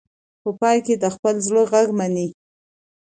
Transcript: په پای کې د خپل زړه غږ مني.